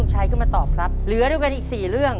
หมดแล้วป่ะเร็ว